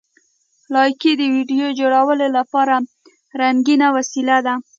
لایکي د ویډیو جوړولو لپاره رنګین وسیله ده.